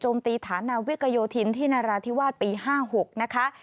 ตีฐานนาวิกโยธินที่นราธิวาสปี๕๖นะคะ